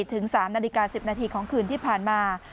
ถึง๓นาฬิกา๑๐นาทีของคืนที่ผ่านมา